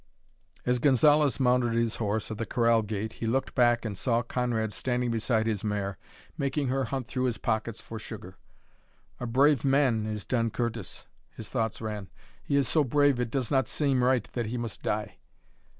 As Gonzalez mounted his horse at the corral gate he looked back and saw Conrad standing beside his mare, making her hunt through his pockets for sugar. "A brave man is Don Curtis," his thoughts ran. "He is so brave it does not seem right that he must die.